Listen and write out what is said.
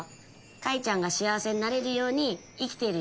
会ちゃんが幸せになれるように生きてるよ。